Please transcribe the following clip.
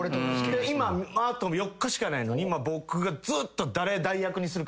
今あと４日しかないのに僕がずっと。